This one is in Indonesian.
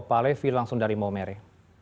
pak levi langsung dari maumere